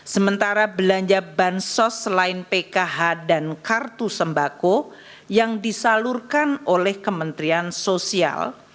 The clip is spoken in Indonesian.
sementara belanja bansos selain pkh dan kartu sembako yang disalurkan oleh kementerian sosial